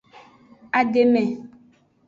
Ademe.